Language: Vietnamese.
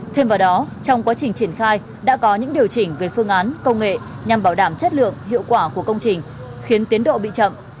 thêm vào đó trong quá trình triển khai đã có những điều chỉnh về phương án công nghệ nhằm bảo đảm chất lượng hiệu quả của công trình khiến tiến độ bị chậm